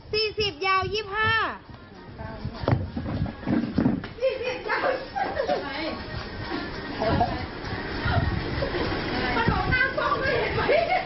เมื่อกี้มันบอกหน้ามัวหลองไม่เห็นมั้ย